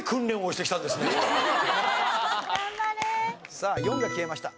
さあ４が消えました。